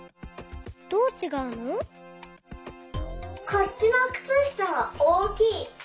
こっちのくつしたはおおきい。